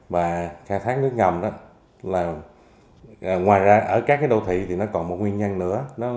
và khai thác nước ngầm đó ngoài ra ở các cái đô thị thì nó còn một nguyên nhân nữa